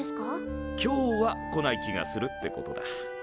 「今日は」来ない気がするってことだ。